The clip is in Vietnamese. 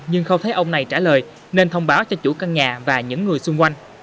nhưng không thấy ông này trả lời nên thông báo cho chủ căn nhà và những người xung quanh